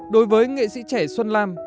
đối với nghệ sĩ trẻ xuân lam